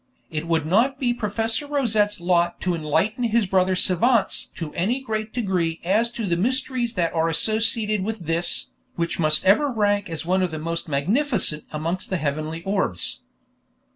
It would not be Professor Rosette's lot to enlighten his brother savants to any great degree as to the mysteries that are associated with this, which must ever rank as one of the most magnificent amongst the heavenly orbs.